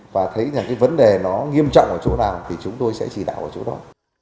và thấy rằng cái vấn đề nó nghiêm trọng ở chỗ nào thì chúng tôi sẽ chỉ đạo ở chỗ đó